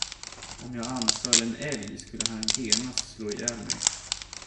Om jag anföll en älg, skulle han genast slå ihjäl mig.